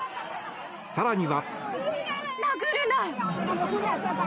更には。